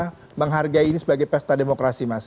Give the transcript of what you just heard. bagaimana menghargai ini sebagai pesta demokrasi mas